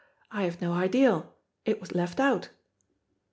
I have no ideal; it was left out."